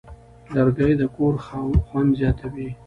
لرګی د کور خوند زیاتوي.